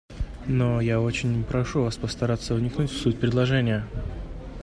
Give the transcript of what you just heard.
Но я очень прошу Вас постараться вникнуть в суть предложения».